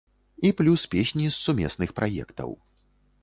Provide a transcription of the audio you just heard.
І плюс песні з сумесных праектаў.